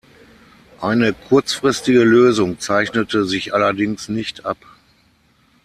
Eine kurzfristige Lösung zeichnete sich allerdings nicht ab.